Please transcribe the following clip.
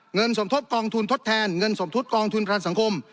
สมทบกองทุนทดแทนเงินสมทบกองทุนประกันสังคม